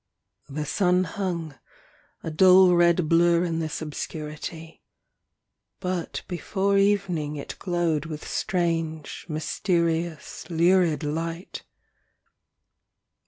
The sun hung, a dull red blur in this obscurity ; but before evening it glowed with strange, mysterious, lurid light.